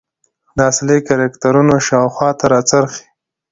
د اصلي کرکترونو شاخواته راڅرخي .